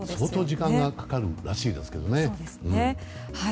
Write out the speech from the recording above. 相当時間がかかるらしいですけどね。